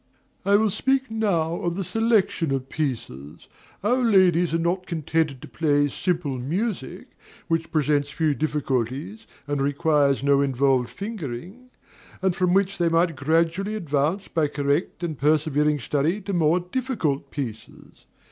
I will speak now of the selection of pieces. Our ladies are not contented to play simple music, which presents few difficulties and requires no involved fingering; and from which they might gradually advance by correct and persevering study to more difficult pieces.